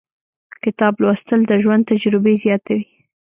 • کتاب لوستل، د ژوند تجربې زیاتوي.